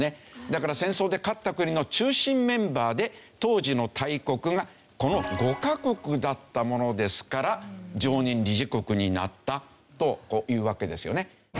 だから戦争で勝った国の中心メンバーで当時の大国がこの５カ国だったものですから常任理事国になったというわけですよね。